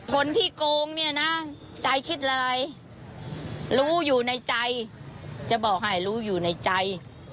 คนที่โกงเนี่ยนะใจคิดอะไรรู้อยู่ในใจจะบอกให้รู้อยู่ในใจ